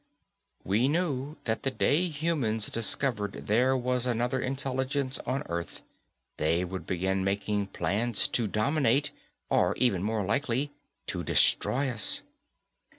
We knew that the day humans discovered there was another intelligence on Earth they would begin making plans to dominate or, even more likely, to destroy us.